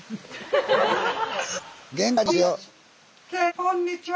こんにちは。